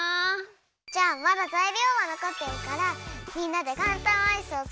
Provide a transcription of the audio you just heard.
じゃあまだざいりょうはのこってるからみんなでかんたんアイスをつくってみる？